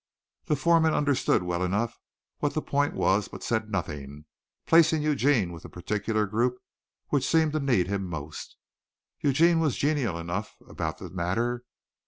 The foreman understood well enough what the point was but said nothing, placing Eugene with the particular group which seemed to need him most. Eugene was genial enough about the matter.